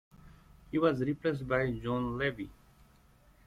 He was replaced by John Levy.